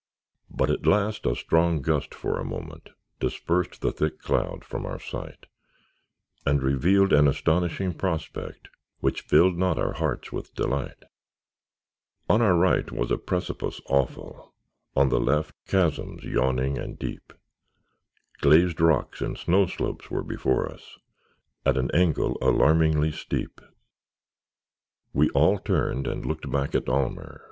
But at last a strong gust for a moment Dispersed the thick cloud from our sight, And revealed an astonishing prospect, Which filled not our hearts with delight: On our right was a precipice awful; On the left chasms yawning and deep; Glazed rocks and snow slopes were before us, At an angle alarmingly steep. We all turned and looked back at Almer.